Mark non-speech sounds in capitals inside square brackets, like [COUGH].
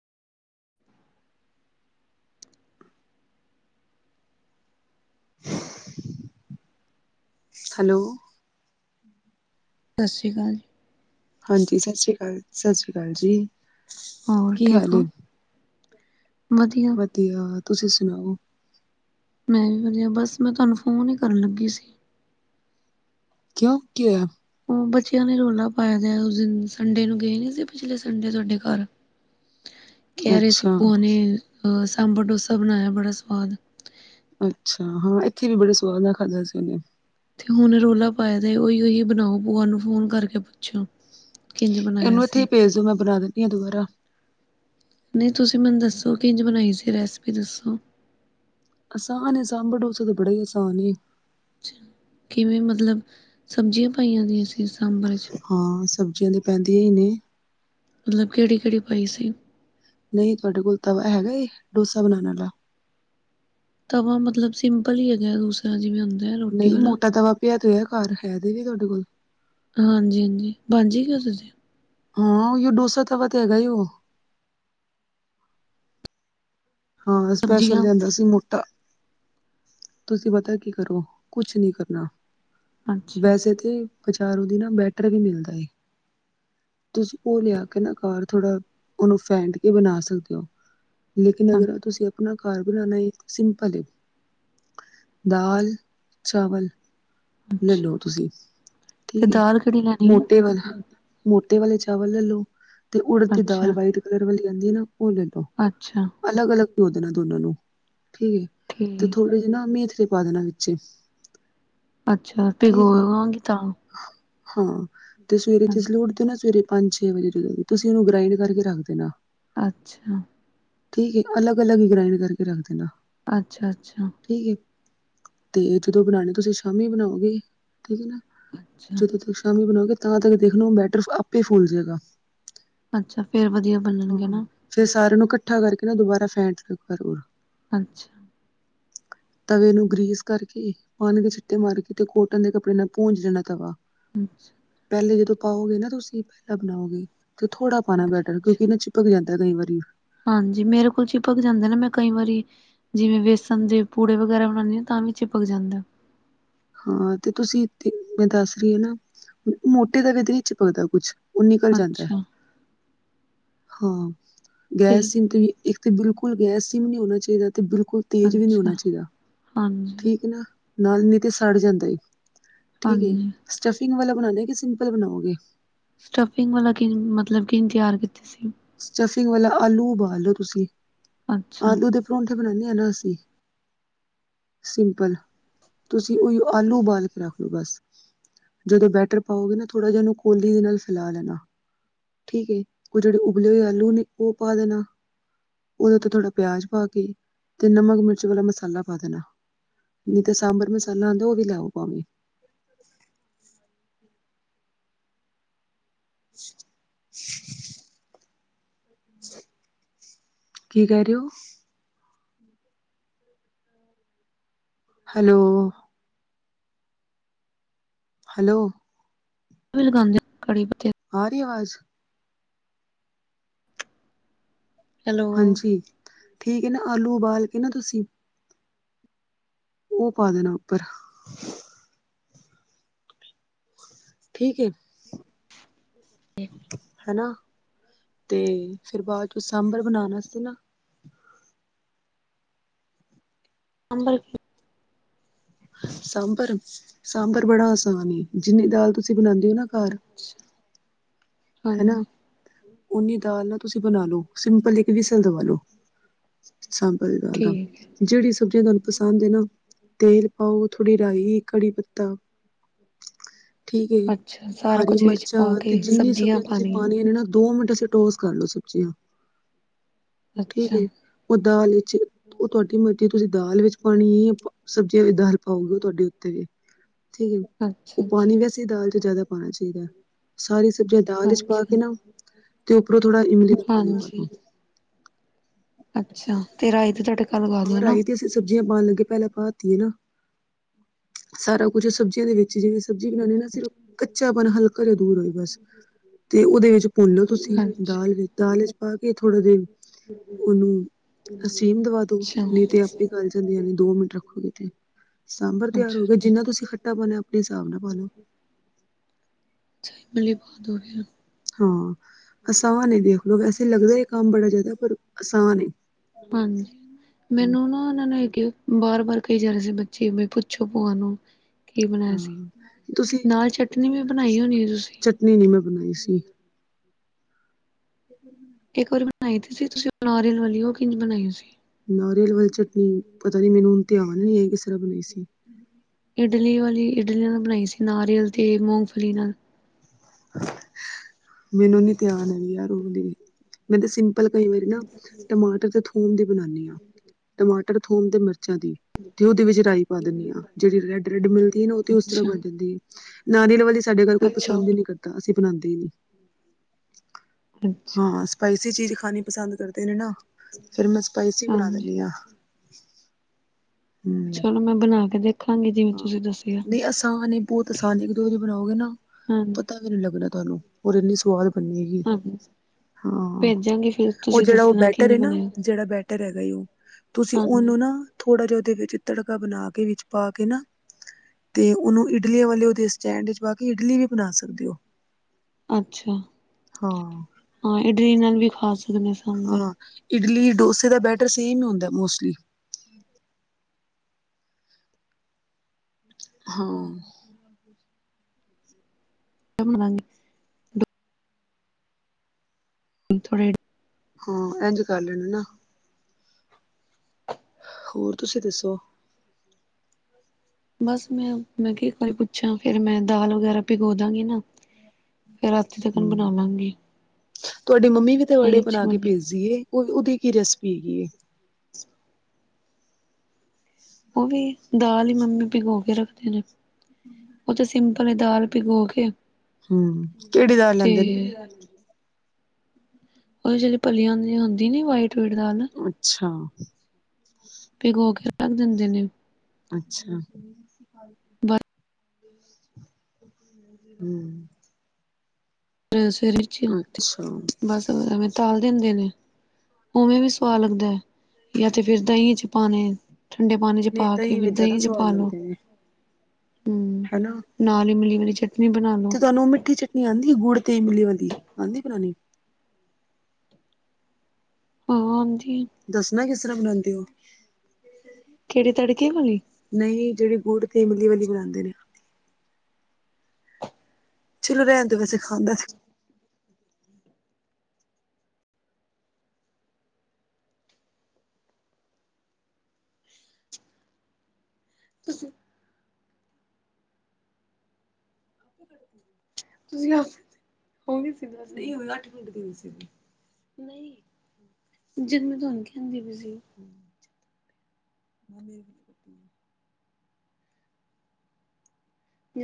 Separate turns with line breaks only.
Hello.
ਸਤਿ ਸ੍ਰੀ ਅਕਾਲ।
ਹਾਂਜੀ, ਸਤਿ ਸ਼੍ਰੀ ਅਕਾਲ, ਸਤਿ ਸ਼੍ਰੀ ਅਕਾਲ ਜੀ।
ਹੋਰ,
ਕੀ
ਠੀਕ
ਹਾਲ ਏ
ਹੋ, ਵਧੀਆ।
ਵਧੀਆ, ਤੁਸੀਂ ਸੁਣਾਓ?
ਮੈਂ ਵੀ ਵਧੀਆ, ਬਸ ਮੈਂ ਤੁਹਾਨੂੰ ਫੋਨ ਹੀ ਕਰਨ ਲੱਗੀ ਸੀ।
ਕਿਉਂ, ਕੀ ਹੋਇਆ?
ਉਹ ਬੱਚਿਆਂ ਨੇ ਰੌਲਾ ਪਾਇਆ ਦਾ ਉਸ ਦਿਨ ਸੰਡੇ ਨੂੰ ਗਏ ਨੀ ਸੀ। ਪਿਛਲੇ ਸੰਡੇ ਤੁਹਾਡੇ ਘਰ
[INAUDIBLE]
ਕਹਿ ਰਹੇ ਸੀ ਭੂਆ ਨੇ ਅਹ ਸਾਂਬਰ ਡੋਸਾ ਬਣਾਇਆ ਬੜਾ ਸਵਾਦ।
ਅੱਛਾ ਹਾਂ, ਇੱਥੇ ਵੀ ਬੜੇ ਸਵਾਦ ਨਾਲ ਖਾਧਾ ਸੀ ਉਹਨੇ।
ਤੇ ਹੁਣ ਰੌਲਾ ਪਾਇਆ ਦਾ ਓਹੀ, ਓਹੀ ਬਣਾਓ ਭੂਆ ਨੂੰ ਫੋਨ ਕਰਕੇ ਪੁੱਛੋ। ਕਿੰਝ ਬਣਾਇਆ
ਇਹਨੂੰ ਇੱਥੇ
ਸੀ,
ਹੀ ਭੇਜ ਦੋ ਮੈਂ ਬਣਾ ਦਿੰਨੀ ਹਾਂ ਦੁਬਾਰਾ।
ਨਹੀਂ, ਤੁਸੀਂ ਮੈਨੂੰ ਦੱਸੋ ਕਿੰਝ ਬਣਾਈ ਸੀ, ਰੈਸਪੀ ਦੱਸੋ।
ਆਸਾਨ ਏ, ਸਾਂਬਰ, ਡੋਸਾ, ਤੇ ਬੜਾ ਹੀ ਆਸਾਨ, ਏ।
ਅੱਛਾ ਕਿਵੇਂ ਮਤਲਬ, ਸਬਜ਼ੀਆਂ ਪਾਈਆਂ ਦੀਆਂ ਸੀ ਸਾਂਬਰ। 'ਚ
ਹਾਂ, ਸਬਜ਼ੀਆਂ ਤੇ ਪੈਂਦੀਆਂ ਹੀ ਨੇ।
ਮਤਲਬ, ਕਿਹੜੀ ਕਿਹੜੀ ਪਾਈ ਸੀ?
ਨਹੀਂ ਤੁਹਾਡੇ ਕੋਲ, ਤਵਾ ਹੈਗਾ ਏ ਡੋਸਾ ਬਣਾਉਣ ਵਾਲਾ।
ਤਵਾ ਮਤਲਬ ਸਿੰਪਲ ਹੀ, ਹੈਗਾ ਉਸ। ਤਾਂ ਜਿਵੇ, ਹੁੰਦਾ। ਰੋਟੀ
ਨਹੀਂ,
ਵਾਲਾ
ਮੋਟਾ ਤਵਾ ਪਿਆ ਤੇ ਹੋਇਆ ਘਰ, ਹੈ ਤੇ ਵੇ, ਤੁਹਾਡੇ ਕੋਲ।
ਹਾਂਜੀ, ਹਾਂਜੀ, ਹਾਂਜੀ ਬਣ ਜਾਏਗਾ।
ਹਾਂ ਉਹੀਉਂ, ਡੋਸਾ ਤਵਾ ਤੇ ਹੈਗਾ, ਉਹ। ਹਾਂ ਸਪੈਸ਼ਲ
ਸਬਜ਼ੀਆਂ
ਲਿਆਂਦਾ ਸੀ। ਤੁਸੀਂ ਪਤਾ ਕੀ ਕਰੋ ਕੁਛ ਨਹੀਂ ਕਰਨਾ।
ਅੱਛਾ
ਵੈਸੇ ਤੇ ਬਜਾਰੋਂ ਦੀ ਨਾ ਬੈਟਰ ਵੀ ਮਿਲਦਾ ਈ। ਤੁਸੀ ਉਹ ਲਿਆ ਕੇ ਨਾ ਘਾਰ ਥੋੜਾ। ਉਹਨੂੰ ਫੈਂਟ ਕੇ ਬਣਾ ਸਕਦੇ ਹੋ ਲੇਕਿਨ ਅਗਰ ਤੁਸੀਂ। ਆਪਣਾ ਘਰ ਬਣਾਉਣਾ ਏ ਤਾਂ ਸਿੰਪਲ ਏ। ਦਾਲ, ਚਾਵਲ
ਅੱਛਾ
ਲੈਲੋ ਤੁਸੀਂ
ਤੇ
ਠੀਕ ਏ,
ਦਾਲ ਕਿਹੜੀ ਲੈਣੀ ਹੈ
ਮੋਟੇ ਵਾਲਾ। ਮੋਟੇ ਵਾਲੇ ਚਾਵਲ ਲੈ ਲਉ ਤੇ ਉੜਦ ਦੀ ਦਾਲ
ਅੱਛਾ
ਵਾਈਟ ਕਲਰ ਵਾਲੀ ਆਉਂਦੀ ਹੈ ਨਾ ਉਹ ਲੈ ਲਉ।
ਅੱਛਾ।
ਅਲੱਗ ਅਲੱਗ ਭੀਓ ਦੇਣਾ ਦੋਨਾਂ ਨੂੰ, ਠੀਕ ਏ।
ਠੀਕ।
ਤੇ ਨਾਲ ਮੇਥਰੇ ਪਾ ਦੇਨਾਂ ਵਿੱਚ।
ਅੱਛਾ, ਤੇ ਭਿਗੋ ਤਾਂ
ਹਾ, ਹਾਂ ਤੇ ਸਵੇਰੇ
ਅੱਛਾ
ਜਿਸ ਵੇਲੇ ਉਠਦੇ ਨਾ ਸਵੇਰੇ। ਪੰਜ, ਛੇ ਵਜੇ ਤੇ ਤੁਸੀਂ ਉਹਨੂੰ ਗ੍ਰਾਇਡ ਕਰਕੇ ਰੱਖ ਦੇਣਾ।
ਅੱਛਾ।
ਠੀਕ ਏ ਅਲੱਗ, ਅਲੱਗ ਹੀ ਗ੍ਰਾਇੰਡ ਕਰਕੇ ਰੱਖ ਦੇਣਾ।
ਅੱਛਾ, ਅੱਛਾ।
ਠੀਕ ਏ, ਤੇ ਜਦੋਂ ਬਣਾਉਣੇ ਤੁਸੀਂ ਸ਼ਾਮੀ ਬਣਾਓਗੇ ਠੀਕ ਏ ਨਾ।
ਅੱਛਾ
ਜਦੋਂ ਤੁਸੀਂ ਸ਼ਾਮੀ ਬਣਾਓਗੇ, ਤਾਂ ਤੱਕ ਦੇਖ ਲੋ ਬੈਟਰ ਆਪੇ ਫੁੱਲ ਜੇਗਾ।
ਅੱਛਾ, ਫੇਰ ਵਧੀਆ ਬਣਨਗੇ ਨਾ।
ਫੇਰ ਸਾਰਿਆਂ ਨੂੰ ਕੱਠਾ ਕਰਕੇ ਨਾ ਦੁਬਾਰਾ ਫੈਂਟ ਲਓ, ਇੱਕ ਵਾਰ ਜ਼ਰੂਰ।
[INAUDIBLE]
ਤਵੇ ਨੂੰ ਗ੍ਰੀਸ ਕਰਕੇ, ਪਾਣੀ ਦੇ ਛਿੱਟੇ ਮਾਰ ਕੇ, ਤੇ ਕੋਟਨ ਦੇ ਕੱਪੜੇ ਨਾਲ ਭੂੰਜ ਦੇਣਾ ਤਵਾ।
ਅੱਛਾ,
ਪਹਿਲੇ ਜਦੋਂ ਪਾਓਗੇ ਨਾ ਤੁਸੀਂ ਪਹਿਲਾਂ ਬਣਾਓਗੇ, ਤੇ ਥੋੜਾ ਪਾਣਾ ਬੈਟਰ,
ਅੱਛਾ
ਕਿਉਂਕਿ ਨਾ ਚਿਪਕ ਜਾਂਦਾ। ਤੈਂ ਕਈ ਵਾਰੀ
ਹਾਂਜੀ, ਮੇਰੇ ਕੋਲ ਚਿਪਕ ਜਾਂਦੈ, ਨਾ ਮੈਂ ਕਈ ਵਾਰੀ ਜਿਵੇਂ ਵੇਸਣ ਦੇ ਪੂੜੇ ਵਗੈਰਾ ਬਣਾਣੀ ਆਂ, ਤਾਂ ਵੀ ਚਿਪਕ ਜਾਂਦੈ।
ਹਾਂ, ਤੇ ਤੁਸੀਂ ਮੈਂ ਦੱਸ ਰਹੀ ਆਂ ਨਾ, ਮੋਟੇ ਦਾ ਦਹੀਂ ਵਿੱਚ ਪਾ ਦਾ ਕੁਛ। ਉਹ ਨਿਕਲ ਜਾਂਦਾ,
ਅੱਛਾ
ਹਾਂ, ਗੈਸ ਸਿੰਮ ਤੇ ਵੀ ਤੇ ਬਿਲਕੁਲ ਗੈਸ ਸਿਮ ਵੀ ਨਹੀਂ ਹੋਣਾ ਚਾਹੀਦਾ, ਤੇ ਬਿਲਕੁਲ ਤੇਜ਼ ਵੀ ਨਹੀਂ
ਅੱਛਾ
ਹੋਣਾ ਚਾਹੀਦਾ।
ਹਾਂਜੀ
ਠੀਕ ਨਾ, ਨਾਲ ਨਹੀ ਤੇ ਸੜ ਜਾਂਦਾ ਏ, ਠੀਕ ਏ।
ਹਾਂਜੀ
ਸਟੱਫਿੰਗ ਵਾਲਾ ਬਣਾਣਾ, ਕਿ ਸਿੰਪਲ ਬਣਾਓਗੇ।
ਸਟੱਫਿੰਗ ਵਾਲਾ ਕਿ ਮਤਲਬ ਕਿਵੇਂ ਤਿਆਰ ਕੀਤਾ ਸੀ।
ਸਟੱਫਿੰਗ ਵਾਲਾ ਆਲੂ ਉਬਾਲ ਲਓ ਤੁਸੀਂ,
ਅੱਛਾ
ਆਲੂ ਦੇ ਪਰੌਂਠੇ ਬਣਾਉਂਦੇ ਆ ਨਾ ਅਸੀਂ। ਸਿੰਪਲ, ਤੁਸੀਂ ਉਹੀ ਆਲੂ ਉਬਾਲ ਕੇ ਰੱਖ ਲਓ ਬਸ। ਜਦੋਂ ਬੈਟਰ ਪਾਓਗੇ ਨਾ, ਥੋੜ੍ਹਾ ਜਾ ਉਹਨੂੰ ਕੋਲੀ ਦੇ ਨਾਲ ਫਿਲਾ ਲੈਣਾ। ਠੀਕ ਏ, ਉਹ ਜਿਹੜੇ ਉਬਲੇ ਹੋਏ ਆਲੂ ਨੇ, ਉਹ ਪਾ ਦੇਣਾ। ਉਹਦੇ ਉਤੇ ਥੋੜਾ ਪਿਆਜ ਪਾ ਕੇ, ਤੇ ਨਮਕ-ਮਿਰਚ ਵਾਲਾ ਮਸਾਲਾ ਪਾ ਦੇਣਾ। ਨਹੀਂ ਤੇ ਸਾਂਬਰ ਮਸਾਲਾ ਆਂਦਾ, ਉਹ ਵੀ ਲੈ ਆਓ ਭਾਵੇਂ। [INAUDIBLE] ਕੀ ਕਹਿ ਰਹੇ ਹੋ? ਹੈਲੋ। ਹੈਲੋ।
ਤੁਸੀਂ ਵੀ ਲਗਾਂਦੇ ਓ ਕੜੀ ਪੱਤੇ।
ਆ ਰੀ ਐ ਆਵਾਜ਼।
ਹੈਲੋ
ਹਾਂਜੀ, ਠੀਕ ਏ ਨਾ, ਆਲੂ ਉਬਾਲ ਕੇ ਨਾ ਤੁਸੀਂ ਉਹ ਪਾ ਦੇਣਾ ਉੱਪਰ। ਠੀਕ ਏ। ਹਨਾ, ਤੇ ਫਿਰ ਬਾਅਦ ਚ ਸਾਂਬਰ ਬਣਾਣ ਵਾਸਤੇ ਨਾ
ਸਾਂਬਰ
ਸਾਂਬਰ- ਸਾਂਬਰ ਬੜਾ ਆਸਾਨ ਏ, ਜਿੰਨੀ ਦਾਲ ਤੁਸੀਂ ਬਣਾਂਦੇ ਹੋ ਨਾ ਘਰ
[INAUDIBLE]
ਹਨਾ,
ਹਾਂਜੀ
ਓਨੀ ਦਾਲ ਨਾ ਤੁਸੀਂ ਬਣਾ ਲੋ, ਸਿੰਪਲ ਇੱਕ ਵਿਸਲ ਦਵਾ ਲੋ। ਸਾਂਬਲ ਦੀ ਦਾਲ ਦਾ,
ਠੀਕ ਹੈ
ਜਿਹੜੀ ਸਬਜ਼ੀਆਂ ਤੁਹਾਨੂੰ ਪਸੰਦ ਐ ਨਾ ਤੇਲ ਪਾਓ, ਥੋੜ੍ਹੀ ਰਾਈ, ਕੜੀ ਪੱਤਾ ਠੀਕ ਏ ਜੀ,
ਅੱਛਾ ਸਾਰਾ
ਹਰੀ
ਕੁਛ ਵਿੱਚ
ਮਿਰਚਾਂ
ਪਾ
ਤੇ
ਕੇ
ਜਿੰਨੀ ਸੁ
ਸਬਜ਼ੀਆਂ
ਤੁਸੀਂ ਪਾਣੀਆਂ ਨੂੰ ਨਾ ਦੋ ਮਿੰਟ ਸਟੋਸ ਕਰ ਲੋ ਸਬਜ਼ੀਆਂ ਨੂੰ, ਠੀਕ
ਅੱਛਾ
ਏ। ਉਹ ਦਾਲ ਵਿਚ ਉਹ ਤੁਹਾਡੀ ਮਰਜ਼ੀ ਏ, ਤੁਸੀਂ ਦਾਲ ਵਿੱਚ ਪਾਣੀ ਏ, ਸਬਜ਼ੀਆਂ ਤੇ ਦਾਲ ਪਾਓਗੇ ਤੁਹਾਡੇ ਉੱਤੇ ਵੇ ਠੀਕ ਏ, ਉਹ
ਅੱਛਾ ਅੱਛਾ
ਪਾਣੀ ਵੈਸੇ ਹੀ ਦਾਲ ਚ ਜ਼ਿਆਦਾ ਪਾਣਾ ਚਾਹੀਦਾ ਐ, ਸਾਰੀ ਸਬਜ਼ੀਆਂ ਦਾਲ ਵਿੱਚ ਪਾ ਕੇ
ਅੱਛਾ
ਨਾ, ਤੇ ਉਪਰੋਂ ਥੋੜਾ ਇਮਲੀ ਦਾ ਪਾਣੀ ਪਾ
ਹਾਂਜੀ
ਦੋ।
ਅੱਛਾ, ਤੇ ਰਾਈਂ ਤੇ ਤੁਹਾਡਾ
ਰਾਈਂ ਤੇ ਅਸੀਂ ਸਬਜ਼ੀਆਂ ਪਾਣ ਲੱਗੇ, ਪਹਿਲਾਂ ਪਾਤੀ ਏ ਨਾ। ਸਾਰਾ ਕੁੱਛ ਸਬਜ਼ੀਆਂ ਦੇ ਵਿੱਚ, ਜਿਵੇਂ ਸਬਜ਼ੀ ਬਣਾਉਂਦੇ ਨਾ ਸਿਰਫ ਕੱਚਾਪਣ ਹਲ ਘਰੇ ਦੂਰ ਹੋਈ ਬਸ, ਤੇ ਉਹਦੇ ਵਿੱਚ ਭੁੰਨ ਲੋ ਤੁਸੀਂ,
ਅੱਛਾ
ਦਾਲ ਵਿੱਚ ਦਾਲ ਵਿੱਚ ਪਾ ਕੇ ਥੋੜ੍ਹੀ ਦੇਰ ਉਹਨੂੰ ਸਟੀਮ ਦਵਾ ਦੋ,
ਅੱਛਾ
ਨਹੀਂ ਤੇ ਆਪੇ ਗਲ ਜਾਂਦੀਆਂ ਨੇ ਦੋ ਮਿੰਟ ਰੱਖੋ, ਕਿਤੇ ਸਾਂਬਰ ਤਿਆਰ
ਅੱਛਾ
ਹੋ ਗਿਆ ਜਿੰਨਾ ਤੁਸੀਂ ਖੱਟਾ ਪਾਉਣਾ ਆਪਣੇ ਹਿਸਾਬ ਨਾਲ ਪਾ ਲਓ।
ਸਹੀ ਮਲੀ ਬਹੁਤ ਹੋ ਰਿ।
ਹਾਂ ਅਸ ਨੇ ਦੇਖ [UNINTELLIGIBLE] ਵੈਸੇ ਲੱਗਦਾ ਇਹ ਕੰਮ ਬੜਾ ਜ਼ਿਆਦਾ ਪਰ ਆਸਾਨ ਏ।
ਹਾਂਜੀ ਮੈਨੂੰ ਨਾ- ਨਾ ਨੇਗੇ ਬਾਰ ਬਾਰ ਕਹੀ ਜਾ ਰਹੇ ਸੀ ਬੱਚੇ ਵੇ ਪੁੱਛੋ ਭੂਆ ਨੂੰ। ਕੀ ਬਣਾਇਆ ਸੀ
ਹਾਂ ਤੁਸੀਂ
ਨਾਲ ਚਟਨੀ ਵੀ ਬਣਾਈ ਹੋਣੀ ਹੈ ਤੁਸੀਂ।
ਚਟਨੀ ਨਹੀਂ ਮੈਂ ਬਣਾਈ ਸੀ। ਹਮ।
ਇੱਕ ਵਾਰੀ ਬਣਾਈ ਤੀ ਸੀ ਤੁਸੀਂ ਨਾਰੀਅਲ ਵਾਲੀ ਉਹ ਕਿੰਜ ਬਣਾਈ ਸੀ।
ਨਾਰੀਅਲ ਵਾਲੀ ਚਟਨੀ ਪਤਾ ਨੀ ਮੈਨੂੰ ਹੁਣ ਧਿਆਨ ਨੀ ਹੈ ਕਿਸ ਤਰ੍ਹਾਂ ਬਣਾਈ ਸੀ।
ਇਡਲੀ ਵਾਲੀ ਇਡਲੀ ਨਾਲ ਬਣਾਈ ਸੀ ਨਾਰੀਅਲ ਤੇ ਮੂੰਫਲੀ ਨਾਲ।
ਮੈਨੂੰ ਨੀ ਧਿਆਨ ਹੈ ਵੀ ਯਾਰ ਉਹ ਦੇ। ਮੈਂ ਤਾਂ ਸਿੰਪਲ ਕਈ ਵਾਰੀ ਨਾ ਟਮਾਟਰ ਤੇ ਥੂਮ ਦੀ ਬਣਾਦੀ ਹਾਂ ਟਮਾਟਰ ਥੂਮ ਤੇ ਮਿਰਚਾਂ ਦੀ ਤੇ ਉਦੇ ਵਿੱਚ ਰਾਈ ਪਾ ਦਿੰਣੀ ਆ ਜਿਹੜੀ ਰੈਡ ਰੈਡ ਮਿਲਦੀ ਹੈ ਨਾ ਉਹ ਤੇ ਉਸ ਤਰ੍ਹਾਂ
ਅੱਛਾ
ਬਣ ਜਾਂਦੀ ਹੈ ਨਾਰੀਅਲ ਞਾਲੀ ਸਾਡੇ ਘਰ ਕੋਈ
ਅੱਛਾ
ਪਸੰਦ ਹੀ ਨਹੀਂ ਕਰਦਾ ਅਸੀਂ ਬਣਾਉਦੇ ਹੀ ਨਹੀਂ
ਅੱਛਾ
ਹਾਂ ਸਪਾਈਸੀ ਚੀਜ਼ ਖਾਣੀ ਪਸੰਦ ਕਰਦੇ ਨੇ ਨਾ ਫੇਰ ਮੈਂ ਸਪਾਈਸੀ ਬਣਾ
ਹਾਂਜੀ
ਦਿੰਦੀ ਹਾਂ ਹਮ
ਚਲੋ ਮੈਂ ਬਣਾ ਕੇ ਦੇਖ
ਹਾਂ ਨਹੀਂ ਆਸਾਨ ਬਹੁਤ
ਹਾਂਜੀ
ਆਸਾਨ ਇੱਕ ਦੋਾ ਞਾਰੀ ਬਣਾਓਗੇ ਨਾ ਪਤਾ ਨੀ ਲੱਗਣਾ ਤੁਹਾਨੂੰ ਇੰਨੀ ਸਵਾਦ ਬਣਨੀ ਹੇਗੀ
ਹਾਂਜੀ
ਹਾਂ
ਭੇਜਾਂਗੀ ਫਿਰ
ਉਹ
ਤੁਸੀਂ
ਜਿਹੜਾ ਉਹ
ਦੱਸਣਾ
ਬੈਟਰ
ਕਿੰਝ
ਹੈ ਨਾ
ਬਣਿਆ
ਜਿਹੜਾ ਬੈਟਰ ਹੈਗਾ ਉਹ। ਤੁਸੀਂ
ਹਾਂਜੀ
ਉਹਨੂੰ ਨਾ ਥੋੜ੍ਹਾ ਜਿਹਾ ਉਹਦੇ ਵਿੱਚ ਤੜਕਾ ਬਣਾ ਕੇ ਵਿੱਚ ਪਾ ਕੇ ਨਾ। ਤੇ ਉਹਨੂੰ ਇਡਲੀਆਂ ਵਾਲੇ ਉਹਦੇ ਸਟੈਂਡ ਵਿੱਚ ਪਾ ਕੇ ਇਡਲੀ ਵੀ ਬਣਾ ਸਕਦੇ ਹੋ।
ਅੱਛਾ
ਹਾਂ
ਹਾਂ ਇਡਲੀ ਨਾਲ ਵੀ ਖਾ ਸਕਦੇ ਸ।
ਹਾਂ ਇਡਲੀ ਡੋਸੇ ਦਾ ਬੈਟਰ ਸੇਮ ਹੀ ਹੁੰਦਾ ਮੋਸਟਲੀ। ਹਾਂ।
ਓ ਮੈਨੀ। ਥੋੜੇ।
ਹਾਂ ਇੰਝ ਕਰ ਲੈਣਾ ਨਾ। ਹੋਰ ਤੁਸੀਂ ਦੱਸੋ।
ਬਸ ਮੈਂ ਮੈਂ ਕਿਹਾ ਇੱਕ ਵਾਰੀ ਪੁੱਛਾ ਫਿਰ ਮੈਂ ਦਾਲ ਵਗੈਰਾ ਭਿਗੋ ਦਾਂਗੀ ਨਾ ਫੇਰ ਰਾਤੀ ਤਕ ਨੂੰ ਬਣਾ
ਹਮ
ਲਾਂਗੀ
ਤੁਹਾਡੀ ਮੰਮੀ ਵੀ ਤੇ
ਤਾਂ
ਵੜੇ
ਹੀ ਅੱਛੀ
ਬਣਾ ਕੇ
ਬਣੀ
ਭੇਜਦੀ ਏ ਉਹ ਉਹਦੀ ਕੀ ਰੈਸਪੀ ਹੈਗੀ ਏ
ਉਹ ਵੀ ਦਾਲ ਹੀ ਮੰਮੀ ਪਿਗੋ ਕੇ ਰੱਖਦੇ ਨੇ ਉਹ ਤੇ ਸੀਮਧਲ ਪਹਿਲੇ ਦਾਲ ਪਿਗੋ ਕੇ
ਹਮ ਕਿਹੜੀ ਦਾਲ ਲੈਂਦੇ ਨੇ
[UNINTELLIGIBLE] ਪਤਾ ਨਹੀਂ ਉਹ ਜਿਹੜੀ ਭਲੇਆ ਦੀ ਹੁੰਦੀ ਨਿ ਵਾਈਟ ਵਈਟ ਦਾਲ
ਅੱਛਾ
ਪਿਗੌ ਕੇ ਰੱਖ ਦਿੰਦੇ ਨੇ
ਅੱਛਾ ਹੂ
ਸਵੇਰੇ
ਅੱਛਾ
ਬਸ ਬ [UNINTELLIGIBLE] ਤਲ ਦੇਨਦੇ ਨੇ ਉਵੇਂ ਵੀ ਸੁਵਾਦ ਲੱਗਦੇ ਨੇ ਜਾਂ ਤੇ ਫਿਰ ਦਹੀਂ ਚ ਪਾਣੇ ਠੰਡੇ ਪਾਣੀ ਚ
ਨਹੀਂ
ਪਾ ਕੇ
ਦਹੀਂ
ਫੇਰ
ਵਿੱਚ ਜ਼ਿਆਦਾ
ਦਈ ਚ
ਸਵਾਦ
ਪਾ ਲੋੋ
ਹੋਲੌ
ਨਾਲ ਇਮਲੀ ਞਾਲੀ ਚਟਨੀ ਬਣਾ ਲਉ
ਤੁਹਾਨੂੰ ਮਿੱਠੀ ਚਟਨੀ ਆਉਂਦੀ ਹੈ ਗੁੜ ਤੇ ਇਮਲੀ ਞਾਲੀ ਆਉਂਦੀ ਬਣਾਉਣੀ
ਹਾਂ ਆਦੀ ਏ
ਦੱਸਣਾ ਕਿਸ ਤਰ੍ਹਾਂ ਬਣਾਉਂਦੇ ਹੋ
ਕਿਹੜੀ ਤੜਕੇ ਵਾਲੀ
ਨਹੀਂ ਜਿਹੜੀ ਗੁੜ ਤੇ ਇਮਲੀ ਞਾਲੀ ਬਣਾਉਂਦੇ ਨੇ ਚਲੋ ਰਹਿਣ ਵੈਸੇ ਖਾਂਦਾ
ਤੁਸੀਂ [UNINTELLIGIBLE] ਤੁਸੀਂ [UNINTELLIGIBLE] ਅੱਠ ਨੂੰ ਗਰੀਨ ਸੀ ਨਹੀਂ ਜਦ ਮੈਂ ਤੁਹਾਨੂੰ ਕਹਿੰਦੀ ਪਈ ਸੀ।